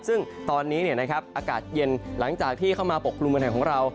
ซึ่งตอนนี้อากาศเย็นหลังจากที่เข้ามาปกครุมเมืองไทยของเรา